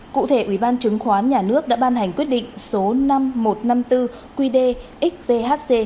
cụ thể ủy ban chứng khoán nhà nước đã ban hành quyết định số năm nghìn một trăm năm mươi bốn qd xhc